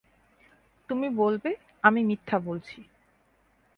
তুমি বলবে, আমি মিথ্যা বলছি।